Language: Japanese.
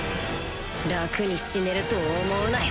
楽に死ねると思うなよ